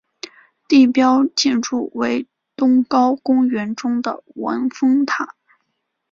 地标建筑为东皋公园中的文峰塔。